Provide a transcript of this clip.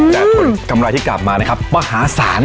ผลกำไรที่กลับมานะครับมหาศาล